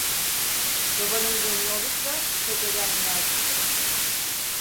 Çobanın gönlü olursa tekeden yağ çıkarır…